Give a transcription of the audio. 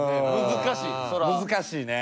難しいね。